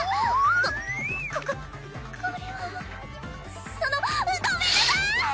ここここれはそのごめんなさい！